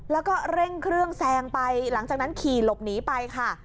แล้วก็เร่งเครื่องแซงไปหลังจากนั้นขี่หลบหนีไปค่ะ